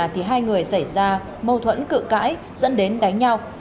thì hai người xảy ra mâu thuẫn cự cãi dẫn đến đánh nhau